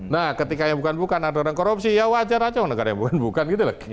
nah ketika yang bukan bukan ada orang korupsi ya wajar aja orang negara yang bukan bukan gitu loh